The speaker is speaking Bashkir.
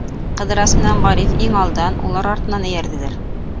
Ҡыҙырас менән Ғариф иң алдан, улар артынан эйәрҙеләр.